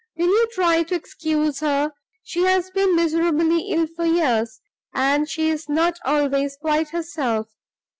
Will you try to excuse her? She has been miserably ill for years, and she is not always quite herself.